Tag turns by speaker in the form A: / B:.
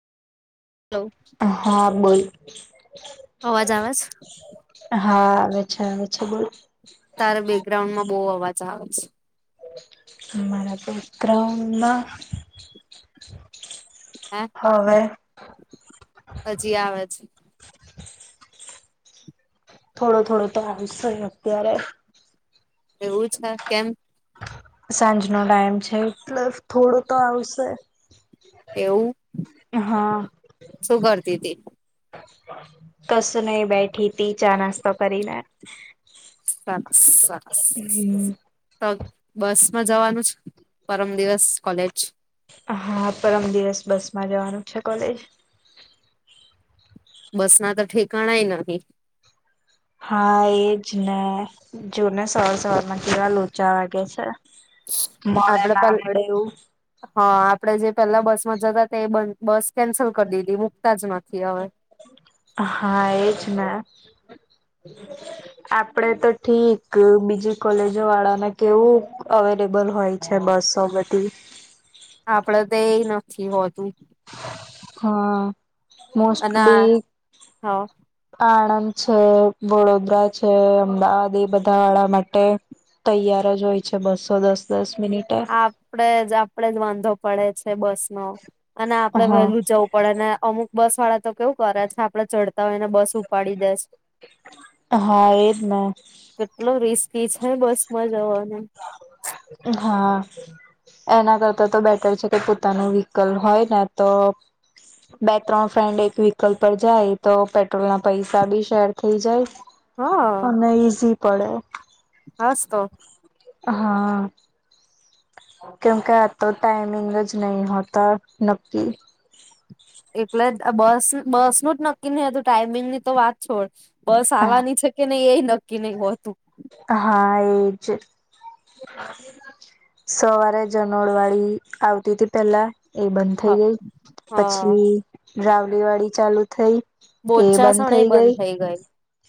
A: Hello
B: હા બોલ
A: અવાજ આવે છે
B: હા. આવે છે આવે છે બોલ
A: તારા બેકગ્રાઉન્ડમાં. બહુ અવાજ આવેજ.
B: મારાં બેગ્રાઉન્ડમાં
A: હે હજી આવેજ.
B: થોડો થોડો તો આવશે અત્યારે.
A: એવું છે કેમ.
B: સાંજ નો ટાઈમ છે એટલ થોડો તો આવશે.
A: એવું
B: હા
A: શું કરતી તી
B: કસું નહી બેઠી તી ચા નાસ્તો કરીને.
A: સરસ સરસ
B: હમ
A: તો બસ માં જવાનું છે પરમ દિવસ કોલેજ.
B: હા પરમ દિવસ બસ માં જવાનું છે કોલેજ.
A: બસ ના તો ઠિકાણાએ નથી.
B: હા એજ ને જોને સવાર સવારમાં કેવા લો ચા વાગે છે મળે
A: આપડે પે
B: ના મળે એવું.
A: હા આપડે જે પેલા બસમાં જતા તે બન. બસ કેન્સલ કરી દીધી મૂકતા જ નથી હવે.
B: હા એજ ને આપડે તો ઠીક બીજી કોલેજો વાળાને કેવું અવેલેબલ હોય છે બસો બધી.
A: આપડે તો એ નથી હોતું.
B: હા.
A: અને
B: મોસ્ટલી
A: હા
B: આ. છે વડોદરા છે અમદાવાદ એ બધા વાળા માટે તૈયાર જ હોય છે બસો દસ દસ. મિનિટે
A: હા આપડે જ આપડે જ વાંધો. પડે છે બસ નો. અને આપડણે
B: હા
A: વહેલું જવું પડે ને અમુક. બસ વાળા તો કેવું કરે છે આપડે ચડતા હોય ને. બસ ઉપાડી દસ
B: હા એજ ને
A: કેટલો રિસ ભી છે બસ માં જવાનું.
B: હા એના કરતા તો બેટર છે કે પોતાનું વ્હીકલ હોય ને તો બે ત્રણ ફ્રેન્ડ એક વ્હીકલ પર જાય તો પેટ્રોલ ના પૈસા બી શેર થઇ જાય.
A: હા
B: અને ઈઝી. પડે.
A: હાસ તો.
B: હા કેમ કે આ તો ટાઈમિંગ જ નહી હોતા નક્કી.
A: એટલે બસ બસ નું જ નક્કી નહી હતું ટાઈમિંગ ની તો વાત છોડ. બસ આવાની છે કે નહી એ નક્કી નહ હોતું.
B: હા એજ સવારે જનોડવાળી આવતી હતી પેલા. એ બંધ થઈ ગઈ
A: હા
B: પછી રાવલીવાડી ચાલુ થઈ.
A: બોચાસણ એ બંધ થઈ ગય.